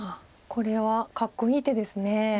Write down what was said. これはかっこいい手です。